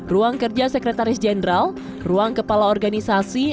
ruang kerja sekretaris jenderal ruang kepala organisasi